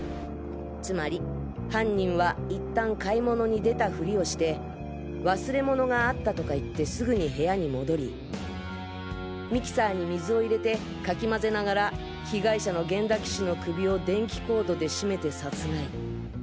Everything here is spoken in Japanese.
つまり犯人はいったん買い物に出たフリをして忘れ物があったとか言ってすぐに部屋に戻りミキサーに水を入れてかき混ぜながら被害者の源田棋士の首を電気コードで絞めて殺害。